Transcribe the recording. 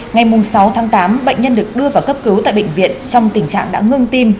ngày sáu tháng tám bệnh nhân được đưa vào cấp cứu tại bệnh viện trong tình trạng đã ngưng tim